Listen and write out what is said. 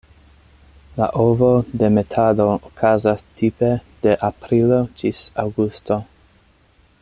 La ovodemetado okazas tipe de aprilo ĝis aŭgusto.